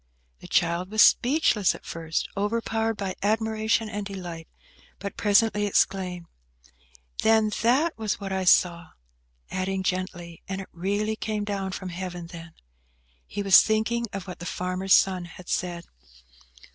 The child was speechless at first, overpowered by admiration and delight, but presently exclaimed, "Then that was what I saw!" adding gently, "And it really came down from Heaven, then?" He was thinking of what the farmer's son had said.